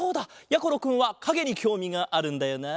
やころくんはかげにきょうみがあるんだよな。